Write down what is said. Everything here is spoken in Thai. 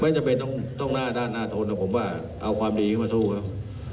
จำเป็นต้องหน้าด้านหน้าทนนะผมว่าเอาความดีเข้ามาสู้ครับ